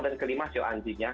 dan kelima siwa anjing ya